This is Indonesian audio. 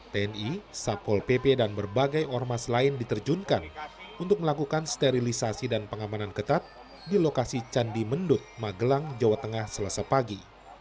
tni satpol pp dan berbagai ormas lain diterjunkan untuk melakukan sterilisasi dan pengamanan ketat di lokasi candi mendut magelang jawa tengah selasa pagi